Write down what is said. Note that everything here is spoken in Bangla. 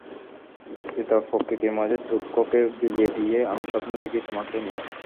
বিস্তৃত প্রকৃতির মাঝে দুঃখকে বিলিয়ে দিয়ে আমি স্বপ্ন দেখি তোমাকে নিয়ে।